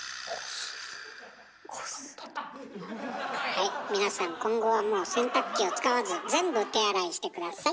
はい皆さん今後はもう洗濯機を使わず全部手洗いして下さい。